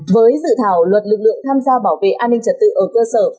với dự thảo luật lực lượng tham gia bảo vệ an ninh trật tự ở cơ sở